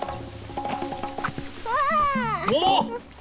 おっ！